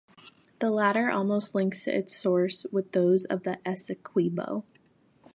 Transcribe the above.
The latter almost links its sources with those of the Essequibo.